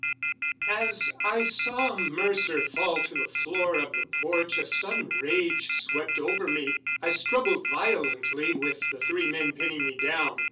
As I saw Mercer fall to the floor of the porch a sudden rage swept over me. I struggled violently with the three men pinning me down.